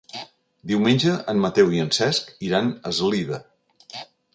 Diumenge en Mateu i en Cesc iran a Eslida.